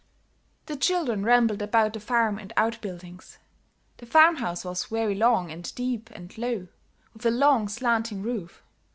The children rambled about the farm and outbuildings. The farm house was very long and deep and low, with a long, slanting roof.